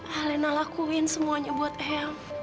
alena lakuin semuanya buat eyang